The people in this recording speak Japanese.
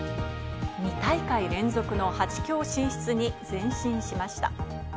２大会連続の８強進出に前進しました。